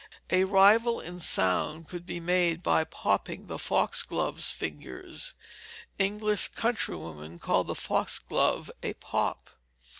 A rival in sound could be made by popping the foxglove's fingers. English countrywomen call the foxglove a pop.